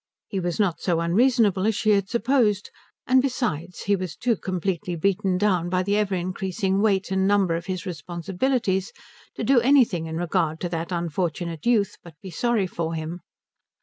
He was not so unreasonable as she had supposed; and besides, he was too completely beaten down by the ever increasing weight and number of his responsibilities to do anything in regard to that unfortunate youth but be sorry for him.